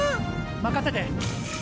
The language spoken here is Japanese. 任せて。